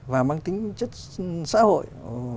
và bằng tính chất xã hội